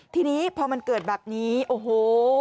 ทีนี้พอมันเกิดแบบนี้โอ้โห